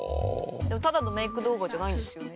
でもただのメイク動画じゃないんですよね？